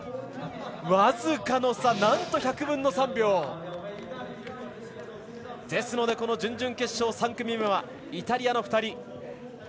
僅かの差、なんと１００分の３秒。ですので、準々決勝３組目はイタリアの２人。